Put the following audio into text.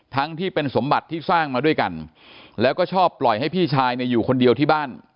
ที่เป็นสมบัติที่สร้างมาด้วยกันแล้วก็ชอบปล่อยให้พี่ชายเนี่ยอยู่คนเดียวที่บ้าน